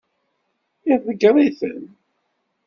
Iḍeggeṛ-iten.